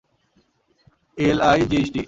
L I G H T.